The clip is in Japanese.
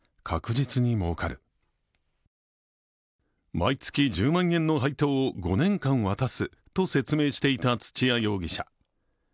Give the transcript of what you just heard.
毎月１０万円の配当を５年間渡すと説明していた土屋容疑者。